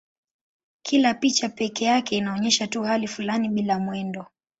Kila picha pekee yake inaonyesha tu hali fulani bila mwendo.